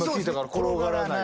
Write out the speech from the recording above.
転がらない。